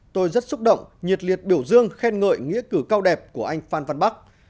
tôi rất xúc động nhiệt liệt biểu dương khen ngợi nghĩa cử cao đẹp của anh phan văn bắc